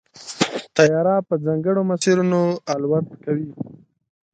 طیاره په ځانګړو مسیرونو الوت کوي.